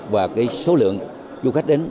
và số lượng du khách đến